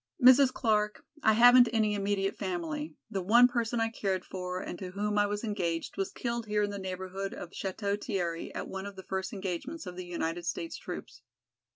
"Mrs. Clark, I haven't any immediate family, the one person I cared for and to whom I was engaged was killed here in the neighborhood of Château Thierry at one of the first engagements of the United States troops.